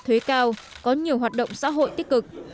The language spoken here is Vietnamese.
thuế cao có nhiều hoạt động xã hội tích cực